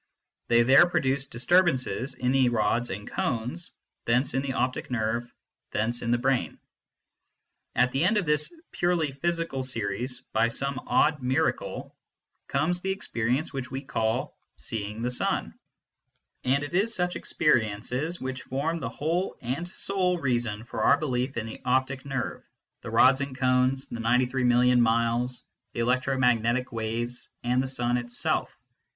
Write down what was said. They there produce disturbances in the rods and cones, thence in the optic nerve, thence in the brain. At the end of this purely physical series, by some odd miracle, comes the experience which we call " seeing the sun/ and it is such experiences which form the whole and sole reason for our belief in the optic nerve, the rods and cones, the ninety three million miles, the electro magnetic waves, and the sun itself.